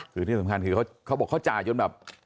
คือที่สำคัญคือเขาบอกเขาจ่ายจนแบบ